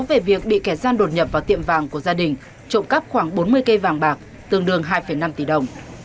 về việc bị kẻ gian đột nhập vào tiệm vàng của gia đình trộm cắp khoảng bốn mươi cây vàng bạc tương đương hai năm tỷ đồng